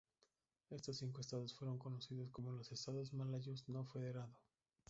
Estos cinco estados fueron conocidos como los Estados malayos no federado.